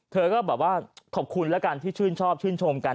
เธอก็แบบว่าขอบคุณแล้วกันที่ชื่นชอบชื่นชมกัน